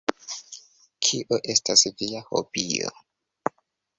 Kio estas via hobio?